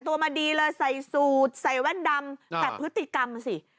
ตัวมาดีเลยใส่สูตรใส่แว่นดำแต่พฤติกรรมอ่ะสิ